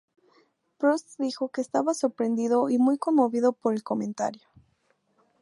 Prost dijo que estaba sorprendido y muy conmovido por el comentario.